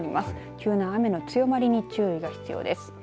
急な雨の強まりに注意が必要です。